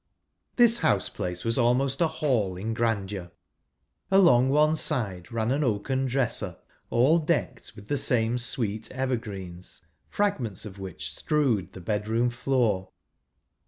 This house place was almost a hall in grandeur. Along one side ran an oaken dresser, all decked with the same sweet ever¬ greens, fragments of which strewed the bed¬ room floor.